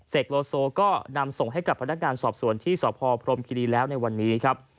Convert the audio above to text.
โลโซก็นำส่งให้กับพนักงานสอบสวนที่สพพรมคิรีแล้วในวันนี้ครับ